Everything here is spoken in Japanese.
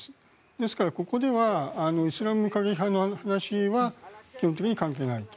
ですからここではイスラム過激派の話は基本的に関係ないと。